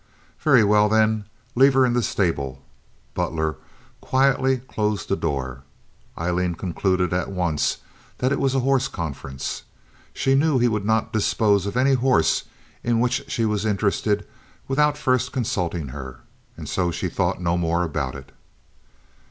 "Very well, then. Leave her in the stable." Butler quietly closed the door. Aileen concluded at once that it was a horse conference. She knew he would not dispose of any horse in which she was interested without first consulting her, and so she thought no more about it.